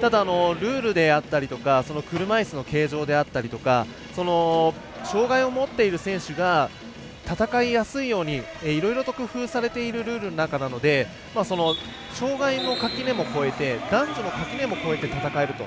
ただ、ルールであったりとか車いすの形状であったりとか障がいを持っている選手が戦いやすいようにいろいろと工夫されているルールの中なので障がいの垣根も越えて男女の垣根も越えて戦えると。